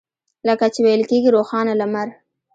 لکه چې ویل کېږي روښانه لمر.